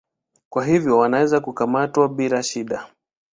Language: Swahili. Kwa hivyo wanaweza kukamatwa bila shida.